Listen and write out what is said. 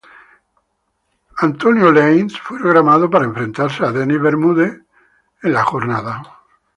Nik Lentz fue programado para enfrentarse a Dennis Bermúdez en el evento.